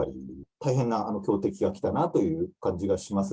大変な強敵が来たなという感じがします。